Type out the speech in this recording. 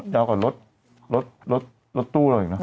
ยาวกว่ารถตู้เราเองนะ